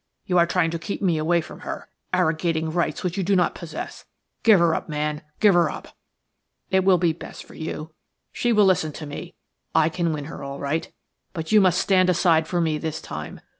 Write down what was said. You are trying to keep me away from her–arrogating rights which you do not possess. Give her up, man, give her up. It will be best for you. She will listen to me–I can win her all right–but you must stand aside for me this time.